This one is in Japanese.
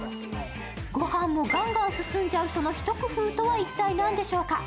御飯もガンガン進んじゃう、その一工夫とは一体何でしょうか？